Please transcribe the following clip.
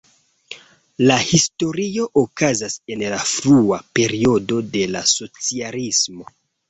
La historio okazas en la frua periodo de la socialismo.